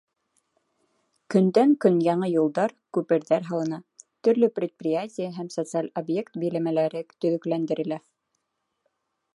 Көндән-көн яңы юлдар, күперҙәр һалына, төрлө предприятие һәм социаль объект биләмәләре төҙөкләндерелә.